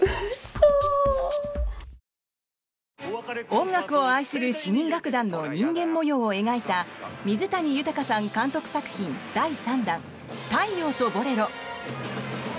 音楽を愛する市民楽団の人間模様を描いた水谷豊さん監督作品第３弾「太陽とボレロ」。